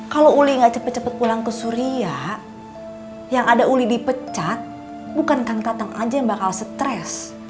kalau uli gak cepet cepet pulang ke suria yang ada uli dipecat bukan kang tatang aja yang bakal stres